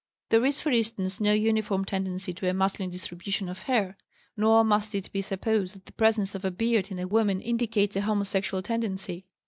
There is, for instance, no uniform tendency to a masculine distribution of hair. Nor must it be supposed that the presence of a beard in a woman indicates a homosexual tendency.